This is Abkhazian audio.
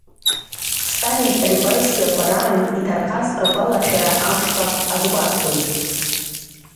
Сталинтә репрессиақәа раан иҭархаз ргәаларшәара амшқәа азгәарҭоит.